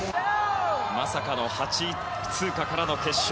まさかの８位通過からの決勝。